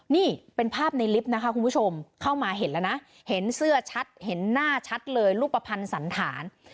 นี่เป็นภาพในลิฟต์นะคะคุณผู้ชมเข้ามาเห็นแล้วนะเห็นเสื้อชัดเห็นหน้าชัดเลยรูปภัณฑ์สันฐาน